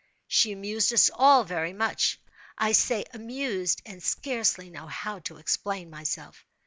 She amused us all very much. I say "amused"—and scarcely know how to explain myself.